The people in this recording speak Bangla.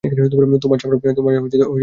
তোমার চামড়ার ভেতর কিছু নেই।